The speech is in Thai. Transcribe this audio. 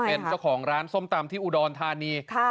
เป็นเจ้าของร้านส้มตำที่อุดรธานี